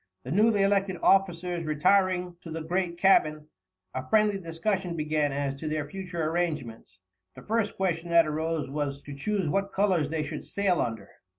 The newly elected officers retiring to the great cabin, a friendly discussion began as to their future arrangements. The first question that arose was to choose what colours they should sail under.